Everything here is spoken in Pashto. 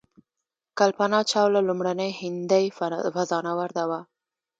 کلپنا چاوله لومړنۍ هندۍ فضانورده وه.